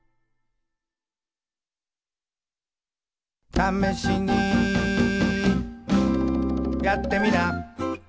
「ためしにやってみな」